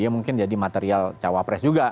mungkin akan jadi material cawapres juga